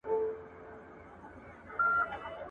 ګټه به ستا د کاري وړتیا په اساس ستا لاس ته درشي.